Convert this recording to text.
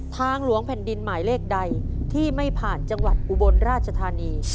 ทางหลวงแผ่นดินหมายเลขใดที่ไม่ผ่านจังหวัดอุบลราชธานี